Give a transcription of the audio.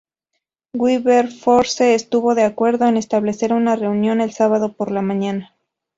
Wilberforce estuvo de acuerdo en establecer una reunión el sábado por la mañana.